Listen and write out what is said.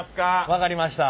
分かりました。